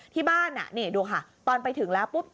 ที่บ้านนี่ดูค่ะตอนไปถึงแล้วปุ๊บ